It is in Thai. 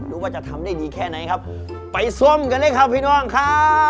ว่าจะทำได้ดีแค่ไหนครับไปชมกันเลยครับพี่น้องครับ